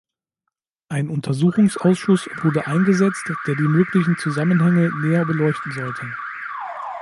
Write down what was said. Ein Untersuchungsausschuss wurde eingesetzt, der die möglichen Zusammenhänge näher beleuchten sollte.